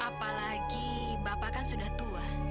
apalagi bapak kan sudah tua